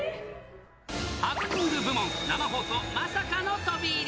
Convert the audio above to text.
ハプニング部門、生放送にまさかの飛び入り。